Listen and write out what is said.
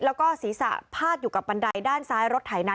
แล้วก็ศีรษะพาดอยู่กับบันไดด้านซ้ายรถไถนา